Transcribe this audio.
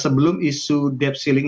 sebelum isu debt ceiling